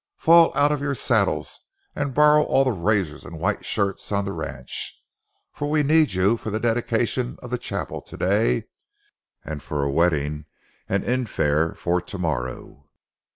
Fall out of your saddles and borrow all the razors and white shirts on the ranch, for we need you for the dedication of a chapel to day, and for a wedding and infare for to morrow.